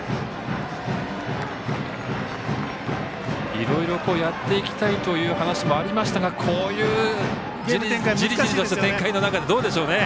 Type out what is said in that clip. いろいろやっていきたいという話もありましたがこういう、じりじりとした展開の中でどうでしょうね。